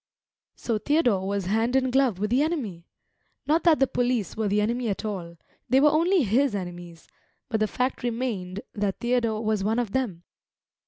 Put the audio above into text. So Theodore was hand in glove with the enemy! Not that the police were the enemy at all; they were only his enemies; but the fact remained that Theodore was one of them.